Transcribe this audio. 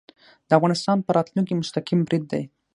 د افغانستان په راتلونکې مستقیم برید دی